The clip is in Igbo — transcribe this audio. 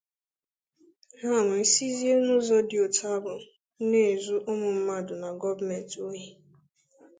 ha wee sizie n'ụzọ dị otu ahụ na-ezu ụmụ mmadụ na gọọmenti ohi.